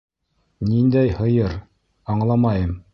— Ниндәй һыйыр, аңламайым.